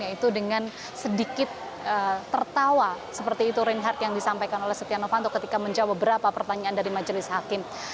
yaitu dengan sedikit tertawa seperti itu reinhardt yang disampaikan oleh setia novanto ketika menjawab beberapa pertanyaan dari majelis hakim